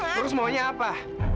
terus maunya apa